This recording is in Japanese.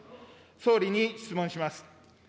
総理に質問します。